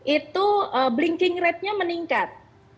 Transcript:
itu blinking ratenya meningkat